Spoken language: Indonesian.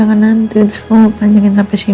enggak nanti terus kamu panjangin sampai sini